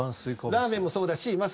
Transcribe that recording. ラーメンもそうだし